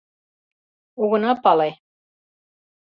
— Огына пале...